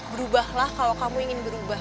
berubahlah kalau kamu ingin berubah